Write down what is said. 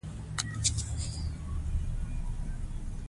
دا کار کورنۍ تباه کوي.